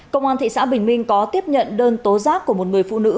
công an thị xã bình minh có tiếp nhận đơn tố giác của một người phụ nữ